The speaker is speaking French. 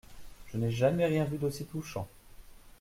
Je n'ai jamais rien vu d'aussi touchant.